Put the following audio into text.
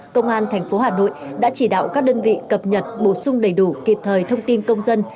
công an tp hà nội đã chỉ đạo các đơn vị cập nhật bổ sung đầy đủ kịp thời thông tin công dân